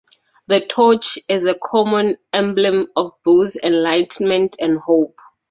The torch is a common emblem of both enlightenment and hope.